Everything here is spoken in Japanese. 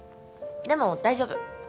でも大丈夫。